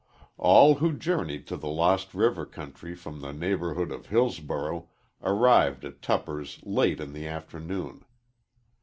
All who journeyed to the Lost River country from the neighborhood of Hillsborough arrived at Tupper's late in the afternoon.